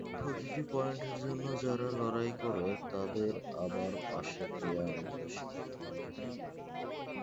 প্রতিটি পয়েন্টের জন্য যারা লড়াই করে তাদের আবার পাশে পেয়ে আমি খুশি।